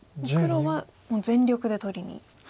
黒はもう全力で取りに。